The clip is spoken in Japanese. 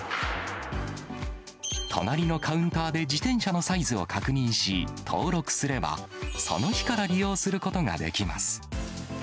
隣のカウンターで自転車のサイズを確認し、登録すれば、その日から利用することができます。